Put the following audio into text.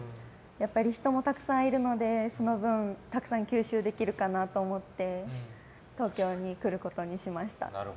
人もたくさんいるのでその分たくさん吸収できるかなと思って東京に来ることにしました。